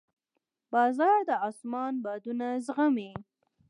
باز د اسمان بادونه زغمي